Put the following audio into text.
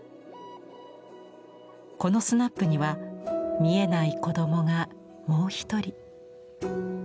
このスナップには見えない子どもがもう一人。